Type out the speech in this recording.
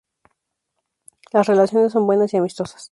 Las relaciones son buenas y amistosas.